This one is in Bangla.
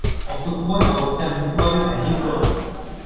অকুতোভয় অবস্থায় মুক্তভাবে ব্যাটিং করতেন।